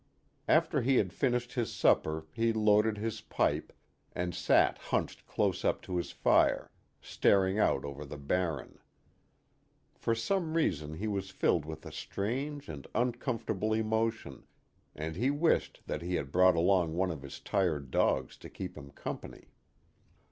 After he had finished his supper he loaded his pipe, and sat hunched close up to his fire, staring out over the Barren. For some reason he was filled with a strange and uncomfortable emotion, and he wished that he had brought along one of his tired dogs to keep him company.